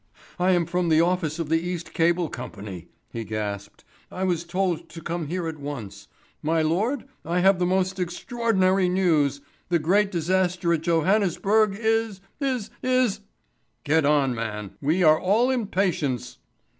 "I am from the office of the East Cable Company," he gasped. "I was told to come here at once. My Lord, I have the most extraordinary news. The great disaster at Johannesburg is is is " "Get on, man; we are all impatience."